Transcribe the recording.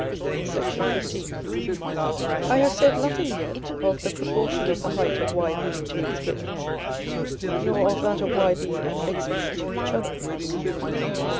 § XV. I have said nothing yet of the proportion of the height of Yb to its width, nor of that of Yb and Xb to each other.